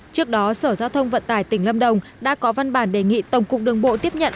trước đó sở giao thông vận tải tỉnh lâm đồng đã có văn bản đề nghị tổng cục đường bộ tiếp nhận